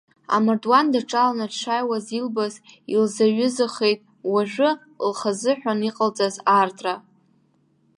Амардуан даҿаланы дшааиуаз илбаз илзаҩызахеит уажәы лхазыҳәан иҟалҵаз аартра.